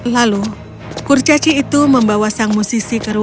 lalu kurcaci itu membawa sang musisi ke ruang bawah tanah